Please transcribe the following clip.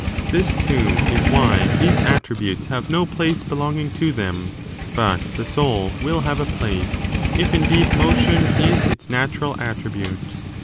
This, too, 15 why these attributes have no place belonging to them; but the soul will have a place, if indeed motion is its natural attribute.